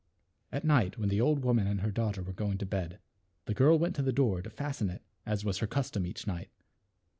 At night, when the old woman and her daughter were going to bed, the girl went to the door to fasten it as was her custom each night.